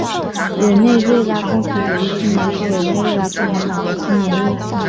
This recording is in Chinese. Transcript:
委内瑞拉共产主义青年是委内瑞拉共产党的青年翼。